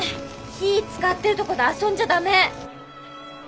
火使ってるとこで遊んじゃ駄目！